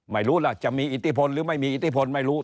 ไม่รู้ล่ะจะมีอิทธิพลหรือไม่มีอิทธิพลไม่รู้